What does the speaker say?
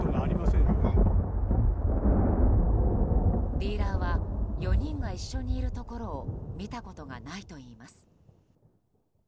ディーラーは４人が一緒にいるところを見たことがないといいます。